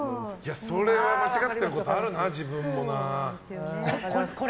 それは間違ってることあるな自分もな。